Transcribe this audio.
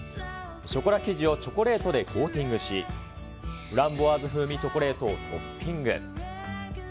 ショコラ生地をチョコレートでコーティングし、フランボワーズ風味チョコレートをトッピング。